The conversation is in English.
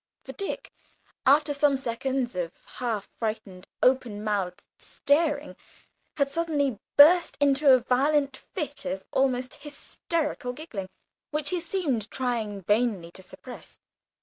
For Dick, after some seconds of half frightened open mouthed staring, had suddenly burst into a violent fit of almost hysterical giggling, which he seemed trying vainly to suppress.